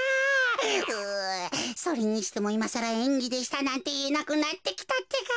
うそれにしてもいまさらえんぎでしたなんていえなくなってきたってか。